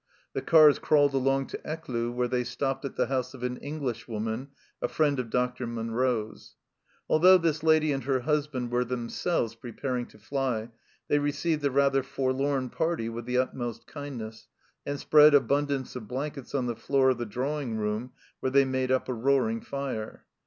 The cars crawled along to Eccloo, where they stopped at the house of an Englishwoman, a friend of Dr. Munro's. Although this lady and her husband were themselves preparing to fly, they received the rather forlorn party with the utmost kindness, and spread abundance of blankets on the floor of the drawing room, where they made up a roaring fire.